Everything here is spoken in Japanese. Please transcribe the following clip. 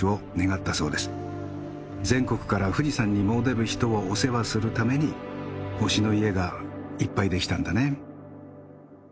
全国から富士山に詣でる人をお世話するために御師の家がいっぱいできたんだね。